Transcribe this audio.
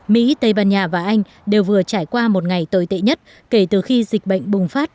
mỹ tây ban nha và anh đều vừa trải qua một ngày tồi tệ nhất kể từ khi dịch bệnh bùng phát